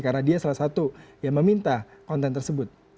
karena dia salah satu yang meminta konten tersebut